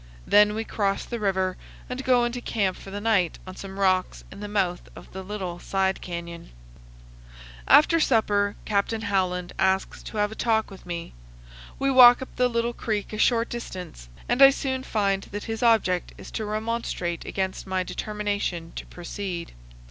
Then we cross the river and go into camp for the night on some rocks in the mouth of the little side canyon. After supper Captain Howland asks to have a talk with me. We walk up the little creek a short distance, and I soon find that his object is to remonstrate against my determination to proceed.